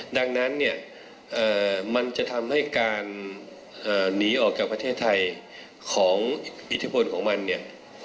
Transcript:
ดังนั้นเนี่ยมันจะทำให้การหนีออกจากประเทศไทยของอิทธิพลของมันเนี่ย